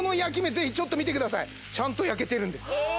ぜひちょっと見てくださいちゃんと焼けてるんですえ